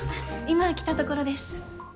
今来たところです。